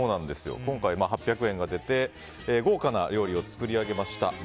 今回、８００円が出て豪華な料理を作り上げました。